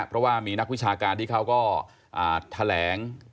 เพราะว่ามีนักวิชาการที่เขาก็แถลง